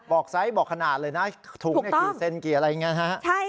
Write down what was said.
ไซส์บอกขนาดเลยนะถุงกี่เซนกี่อะไรอย่างนี้นะฮะ